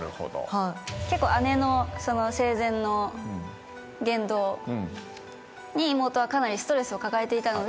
姉の生前の言動に妹はかなりストレスを抱えていたので。